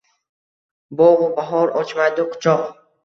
Bogʼ-u bahor ochmaydi quchoq.